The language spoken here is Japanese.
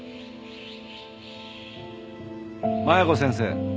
麻弥子先生。